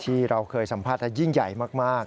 ที่เราเคยสัมภาษณ์ยิ่งใหญ่มาก